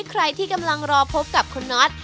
ใครที่กำลังรอพบกับคุณน็อต